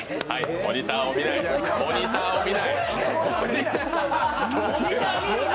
モニターを見るな！！